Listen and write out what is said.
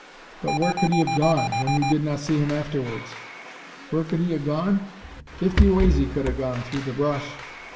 "But where could he have gone, when you did not see him afterwards?" "Whur could he 'a gone? Fifty ways he kud 'a gone through the brush.